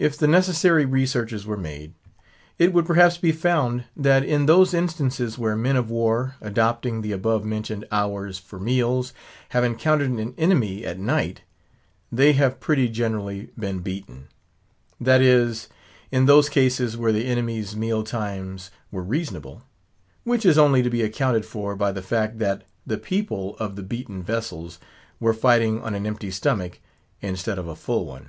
If the necessary researches were made, it would perhaps be found that in those instances where men of war adopting the above mentioned hours for meals have encountered an enemy at night, they have pretty generally been beaten; that is, in those cases where the enemies' meal times were reasonable; which is only to be accounted for by the fact that the people of the beaten vessels were fighting on an empty stomach instead of a full one.